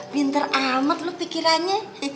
pinter amat lu pikirannya